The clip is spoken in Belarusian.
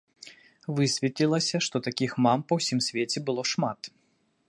Высветлілася, што такіх мам па ўсім свеце было шмат.